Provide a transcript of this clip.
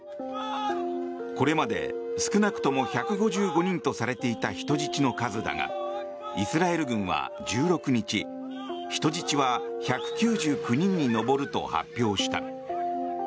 これまで少なくとも１５５人とされていた人質の数だがイスラエル軍は１６日人質は１９９人に上ると発表した。